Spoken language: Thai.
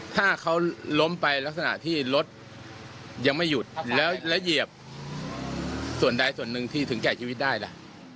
ถ้าเขาล้มไปลักษณะที่รถยังไม่หยุดแล้วเหยียบส่วนใดส่วนหนึ่งที่ถึงแก่ชีวิตได้ล่ะ